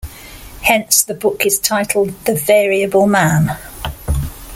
Hence, the book is titled "The Variable Man".